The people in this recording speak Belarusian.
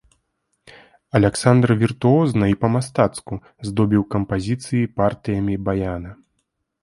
Аляксандр віртуозна і па-мастацку аздобіў кампазіцыі партыямі баяна.